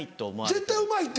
絶対うまいって。